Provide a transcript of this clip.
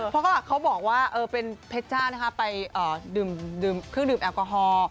เพราะเขาบอกว่าเป็นเพชจ้านะคะไปดื่มเครื่องดื่มแอลกอฮอล์